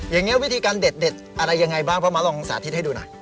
อย่างนี้วิธีการเด็ดอะไรยังไงบ้างพ่อม้าลองสาธิตให้ดูหน่อย